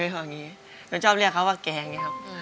หนูชอบเรียกเขาว่าแก่ง